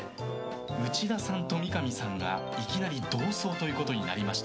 内田さんと三上さんがいきなり同走となりました。